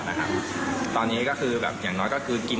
ดีกว่าอันที่ซื้อแค่ทั้งแรกไหม